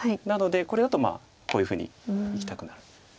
なのでこれだとこういうふうにいきたくなる。